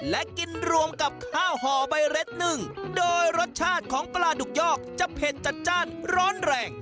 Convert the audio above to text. และกินรวมกับข้าวห่อใบเร็ดนึ่งโดยรสชาติของปลาดุกยอกจะเผ็ดจัดจ้านร้อนแรง